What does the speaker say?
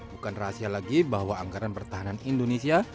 bukan rahasia lagi bahwa anggaran pertahanan indonesia